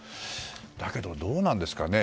だけど、どうなんですかね。